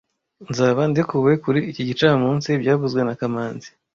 Nzaba ndekuwe kuri iki gicamunsi byavuzwe na kamanzi